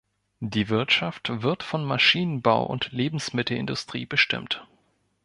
Die Wirtschaft wird von Maschinenbau und Lebensmittelindustrie bestimmt.